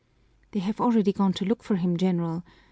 "They have already gone to look for him, General.